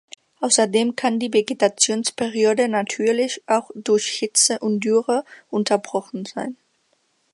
Außerdem kann die Vegetationsperiode natürlich auch durch Hitze und Dürre unterbrochen sein.